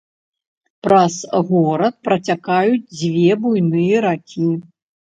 Праз горад працякаюць дзве буйныя ракі.